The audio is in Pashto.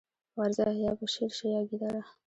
ورځه! يا به شېر شې يا ګيدړه.